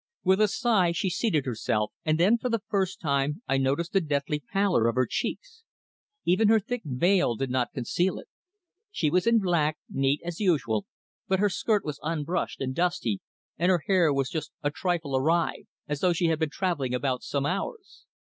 With a sigh she seated herself, and then for the first time I noticed the deathly pallor of her cheeks. Even her thick veil did not conceal it. She was in black, neat as usual, but her skirt was unbrushed and dusty, and her hair was just a trifle awry, as though she had been travelling about some hours.